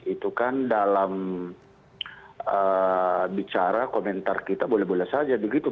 itu kan dalam bicara komentar kita boleh boleh saja begitu